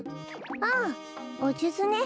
ああおじゅずね。